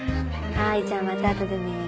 はいじゃあまた後でね。